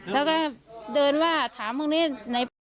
แล้วก็เดินว่าถามข้างนี้ไหน